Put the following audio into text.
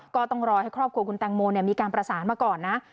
ก็ต้องรอให้ครอบครัวคุณแตงโมมีการประสานมาก่อนนะ